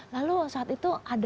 lalu saat itu ada